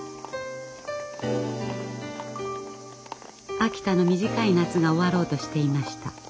秋田の短い夏が終わろうとしていました。